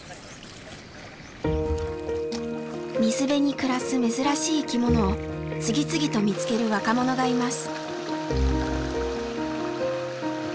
水辺に暮らす珍しい生きものを次々と見つける若者がいます。